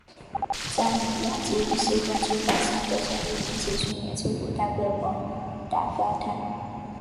扎米亚京与西方出版商的交易引起苏联政府大规模挞伐他。